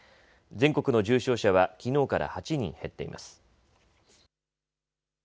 全国の重症者はきのうから８人減っています。